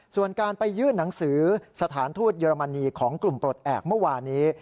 ส่วนการไปยื่นหนังสือสถานทูตเยอรมนีของกลุ่มปลดแอบเมื่อวานี้